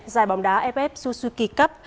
dài bóng đá ff suzuki cup